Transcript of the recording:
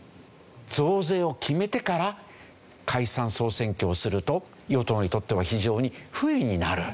増税を決めてから解散総選挙をすると与党にとっては非常に不利になる。